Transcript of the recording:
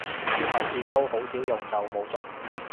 之後見都好少用就冇續